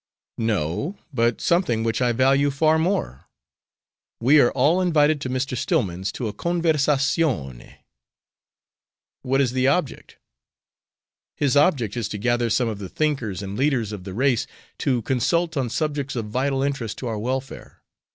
"No; but something which I value far more. We are all invited to Mr. Stillman's to a conversazione." "What is the object?" "His object is to gather some of the thinkers and leaders of the race to consult on subjects of vital interest to our welfare.